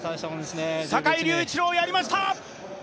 坂井隆一郎、やりました！